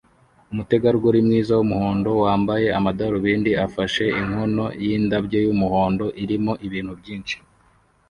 Umutegarugori mwiza wumuhondo wambaye amadarubindi afashe inkono yindabyo yumuhondo irimo ibintu byinshi